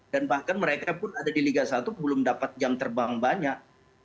dan bahkan mereka pun ada di liga satu belum dapat jam terbang banyak